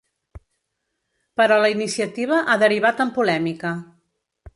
Però la iniciativa ha derivat en polèmica.